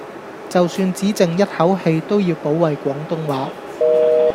就算只剩一口氣都要保衛廣東話